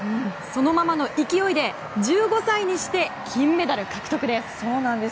そのままの勢いで１５歳にして金メダル獲得です。